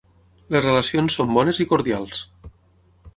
Les relacions són bones i cordials.